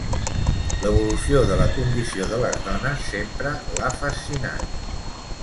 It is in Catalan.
L'evolució de la condició de les dones sempre l'ha fascinat.